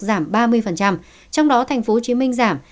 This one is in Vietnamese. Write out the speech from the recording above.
giảm ba mươi trong đó tp hcm giảm